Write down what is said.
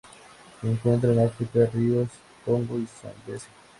Se encuentran en África: ríos Congo y Zambeze.